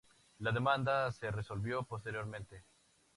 La demanda se resolvió posteriormente.